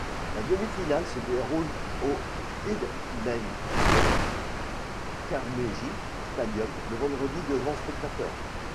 La demi-finale se déroule au Headingley Carnegie Stadium le vendredi devant spectateurs.